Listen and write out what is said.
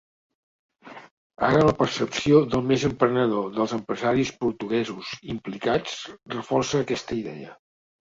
Ara la percepció del més emprenedor dels empresaris portuguesos implicats reforça aquesta idea.